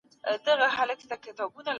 خلګو پرېکړه وکړه چي خپل سرنوشت پخپله وټاکي.